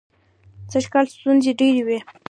سږکال ستونزې ډېرې وې.